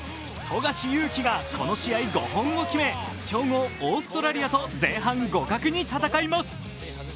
富樫勇樹がこの試合、５本を決め強豪オーストラリアと前半、互角に戦います。